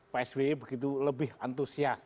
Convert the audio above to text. pak sby begitu lebih antusias